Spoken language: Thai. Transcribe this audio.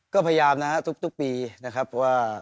ก็พยายามนะครับทุกปีนะครับว่า